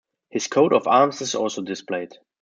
His coat of arms is also displayed.